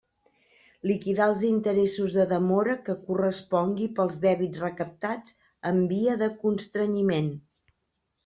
Liquidar els interessos de demora que correspongui pels dèbits recaptats en via de constrenyiment.